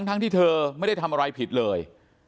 ทั้งที่เธอไม่ได้ทำอะไรผิดเลย